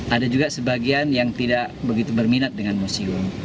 ada juga sebagian yang tidak begitu berminat dengan museum